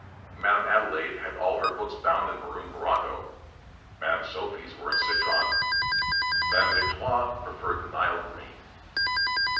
Madame Adelaide had all her books bound in maroon morocco. Madame Sophie's were in citron; Madam Vic toire preferred Nile green.